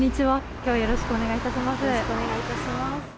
きょうはよろしくお願いいたします。